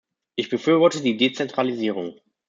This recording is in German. Ich befürworte die Dezentralisierung.